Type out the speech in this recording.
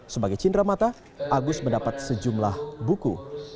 sebagai cindera mata agus mendapat sejumlah buku